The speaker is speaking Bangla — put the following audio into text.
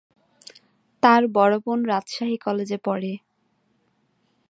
তার বড় বোন রাজশাহী কলেজে পড়ে।